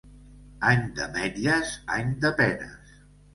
Any d'ametlles, any de penes.